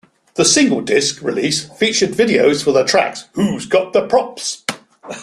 The single-disc release featured videos for the tracks Who Got Da Props?